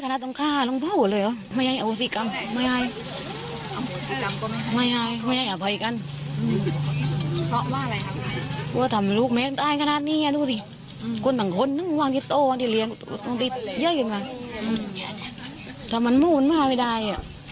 คนต่างคนวางติโต๊ะวางติเยอะจำนวนถ้ามันหมูนเป็นอะไรไม่ได้